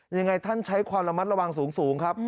ยังไงท่านใช้ความระมัดระวังสูงครับ